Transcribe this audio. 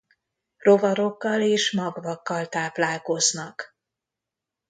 Rovarokkal és magvakkal táplálkoznak.